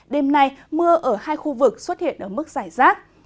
đêm nay mưa ở hai khu vực xuất hiện ở mức giải rác